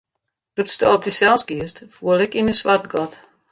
Doe'tsto op dysels giest, foel ik yn in swart gat.